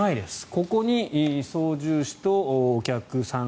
ここに操縦士とお客さん